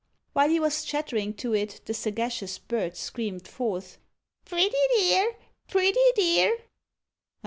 While he was chattering to it, the sagacious bird screamed forth: "Pretty dear! pretty dear!"